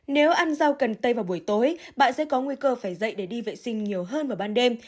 nếu ăn rau cần tây vào buổi tối bạn sẽ có nguy cơ phải dậy để đi vệ sinh nhiều hơn vào ban đêm